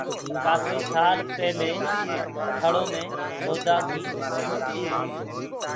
ڪآڦي سآل پيلي ٿݪو مي سوڍآ ڪي هڪومت تي